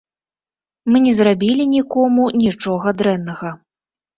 Мы не зрабілі нікому нічога дрэннага.